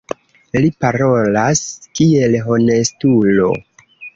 Li parolas kiel honestulo.